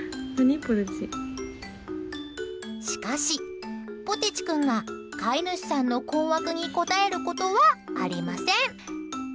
しかし、ポテチ君が飼い主さんの困惑に応えることはありません。